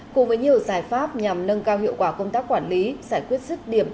cùng với nhiều giải pháp nhằm nâng cao hiệu quả công tác quản lý giải quyết sức điểm